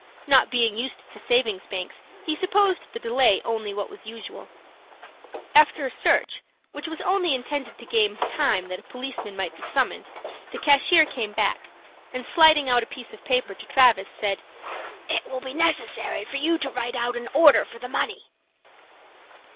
Not being used to savings banks, he supposed the delay only what was usual. After a search, which was only intended to gain time that a policeman might be summoned, the cashier came back, and, sliding out a piece of paper to Travis, said, "It will be necessary for you to write an order for the money."